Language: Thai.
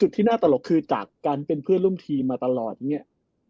สุดที่น่าตลกคือการเป็นเพื่อนร่วมทีมาตลอดเนี่ย